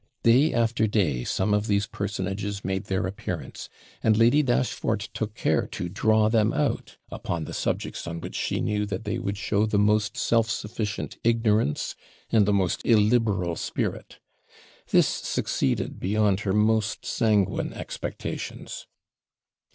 Day after day some of these personages made their appearance; and Lady Dashfort took care to draw them out upon the subjects on which she knew that they would show the most self sufficient ignorance, and the most illiberal spirit. This succeeded beyond her most sanguine expectations.